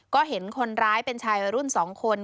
ก็เห็นคนร้ายเป็นชายวัยรุ่น๒คน